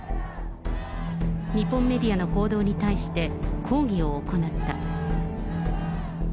日本メディアの報道に対して、抗議を行った。